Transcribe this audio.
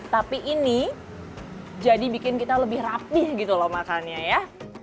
tapi ini jadi bikin kita lebih rapih gitu loh makannya ya